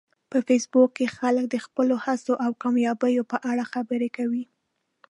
په فېسبوک کې خلک د خپلو هڅو او کامیابیو په اړه خبرې کوي